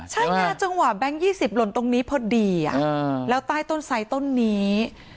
ใช่ไงจังหวะแบงค์๒๐หล่นตรงนี้พอดีแล้วใต้ต้นไซดต้นนี้